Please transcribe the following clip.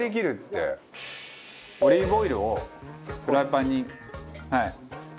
オリーブオイルをフライパンにはい。